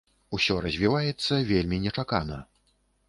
Усё развіваецца вельмі нечакана.